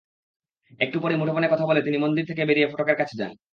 একটু পরই মুঠোফোনে কথা বলে তিনি মন্দির থেকে বেরিয়ে ফটকের কাছে যান।